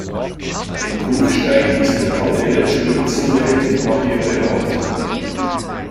In Kufstein ist der Adele Stürzl-Weg nach ihr benannt.